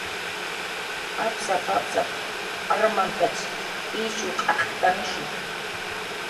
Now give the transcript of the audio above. "Apsap"" apsap"" armantach ishw q'aqptanushu "